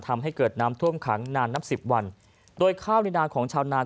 ทำให้เกิดน้ำท่วมขังนานนับสิบวันโดยข้าวในนาของชาวนา